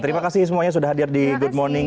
terima kasih semuanya sudah hadir di good morning